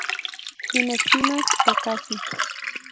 Sin espinas o casi.